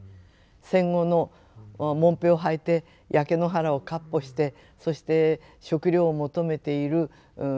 戦後のもんぺをはいて焼け野原を闊歩してそして食料求めている男や女